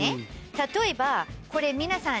例えばこれ皆さん